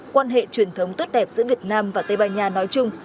quan hệ truyền thống tốt đẹp giữa việt nam và tây ban nha nói chung